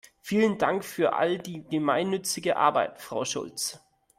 Vielen Dank für all die gemeinnützige Arbeit, Frau Schulz!